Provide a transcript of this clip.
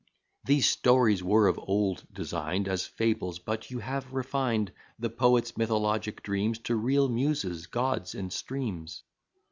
These stories were of old design'd As fables: but you have refined The poets mythologic dreams, To real Muses, gods, and streams.